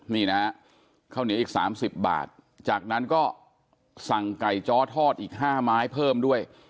นี่นะข้าวเหนียวอีก๓๐บาทจากนั้นก็สั่งไก่จ้อทอดอีก๕ไม้เพิ่มด้วย